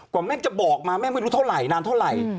แม่จะบอกมาแม่ไม่รู้เท่าไหร่นานเท่าไหร่